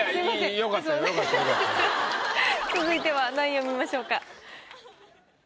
続いては何位を見ましょうか？